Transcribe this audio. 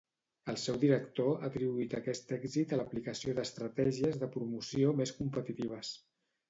El seu director ha atribuït aquest èxit a l'aplicació d'estratègies de promoció més competitives.